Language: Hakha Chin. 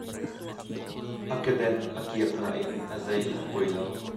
A kedan a kiak nain a zei a poi lo.